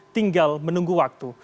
tinggal menunggu waktu